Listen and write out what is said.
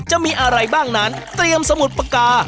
จะมีอะไรบ้างนั้นเตรียมสมุดปากกา